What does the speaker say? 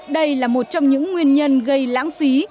đây là một trong những nguyên nhân gây lãng phí